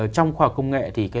trong khoa học công nghệ